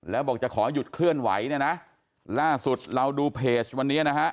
แล้วบอกจะขอหยุดเคลื่อนไหวเนี่ยนะล่าสุดเราดูเพจวันนี้นะฮะ